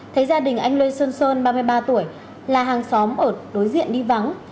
thấy gia đình anh lê xuân sơn ba mươi ba tuổi là hàng xóm ở đối diện đi vắng